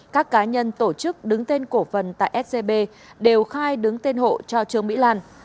các cá nhân tổ chức đứng tên cổ phần tại scb đều khai đứng tên hộ cho trương mỹ lan